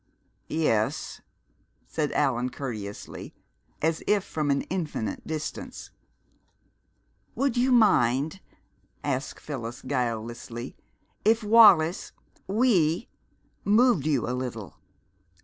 "Yes," said Allan courteously, as if from an infinite distance. "Would you mind," asked Phyllis guilelessly, "if Wallis we moved you a little?